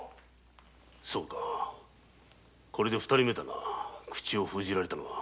そうかこれで二人目だな口を封じられたのは。